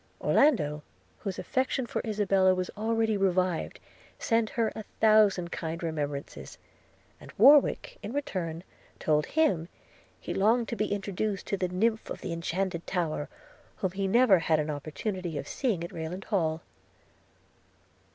Orlando, whose affection for Isabella was already revived, sent her a thousand kind remembrances; and Warwick, in return, told him, 'he longed to be introduced to the nymph of the inchanted tower,' whom he never had an opportunity of seeing at Rayland Hall.